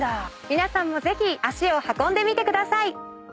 皆さんもぜひ足を運んでみてください。